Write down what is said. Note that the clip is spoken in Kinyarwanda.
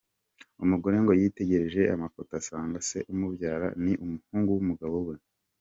Umugore ngo yitegereje amafoto asanga se umubyara ni umuhungu w’umugabo we.